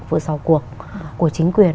vừa sò cuộc của chính quyền